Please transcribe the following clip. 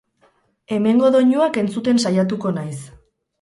Hemengo doinuak entzuten saiatuko naiz.